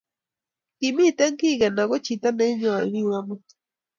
kimiten Kigen ago chito neinyoi biik amut